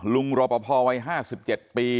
ลุงรปภวัย๕๗ปี